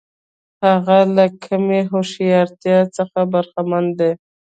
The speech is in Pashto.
هغه له کمې هوښیارتیا څخه برخمن دی.